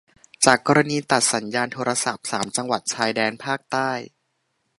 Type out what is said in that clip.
จากกรณีตัดสัญญาณโทรศัพท์สามจังหวัดชายแดนใต้